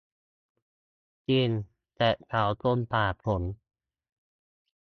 "จริง แต่เขาจนกว่าผม"